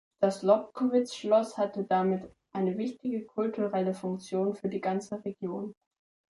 Das Lobkowitz-Schloss hatte damit eine wichtige kulturelle Funktion für die ganze Region.